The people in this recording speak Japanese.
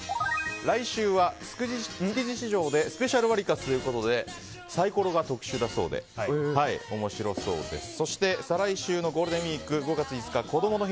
来週は、築地市場でスペシャルワリカツということでサイコロが特殊だそうで面白そうです。